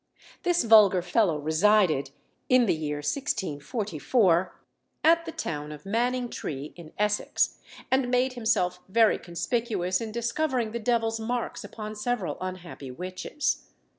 This vulgar fellow resided, in the year 1644, at the town of Manningtree, in Essex, and made himself very conspicuous in discovering the devil's marks upon several unhappy witches.